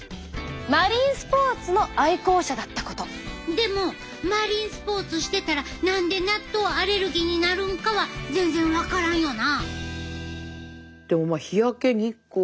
でもマリンスポーツしてたら何で納豆アレルギーになるんかは全然分からんよな。